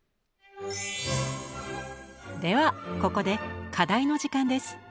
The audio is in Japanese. ではここで課題の時間です。